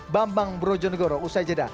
bambang brojonegoro usai jeddah